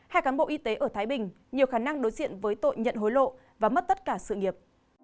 hai cán bộ y tế ở thái bình nhiều khả năng đối diện với tội nhận hối lộ và mất tất cả sự nghiệp